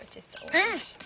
うん。